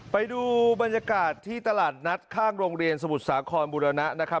ไปดูบรรยากาศที่ตลาดนัดข้างโรงเรียนสมุทรสาครบุรณะนะครับ